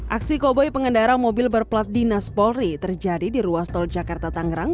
aksi koboi pengendara mobil berplat dinas polri terjadi di ruas tol jakarta tangerang